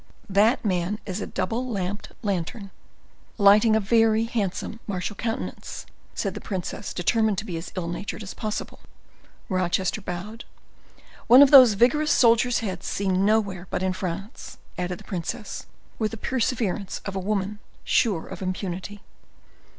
That man is a double lamped lantern." "Lighting a very handsome martial countenance," said the princess, determined to be as ill natured as possible. Rochester bowed. "One of those vigorous soldiers' heads seen nowhere but in France," added the princess, with the perseverance of a woman sure of impunity.